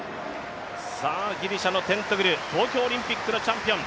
ギリシャのテントグル、東京オリンピックのチャンピオン。